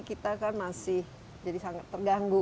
kita kan masih jadi sangat terganggu